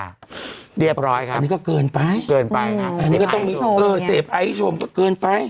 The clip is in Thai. เรียบร้อยครับอันนี้ก็เกินไปเกินไปครับเสพไอชมก็เกินไป